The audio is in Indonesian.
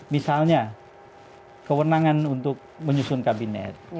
misalnya kewenangan untuk menyusun kabinet